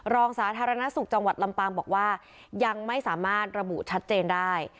สาธารณสุขจังหวัดลำปางบอกว่ายังไม่สามารถระบุชัดเจนได้